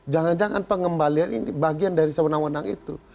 jangan jangan pengembalian ini bagian dari sewenang wenang itu